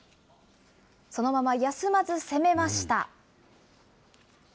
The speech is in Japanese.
そのまま休まず攻めました。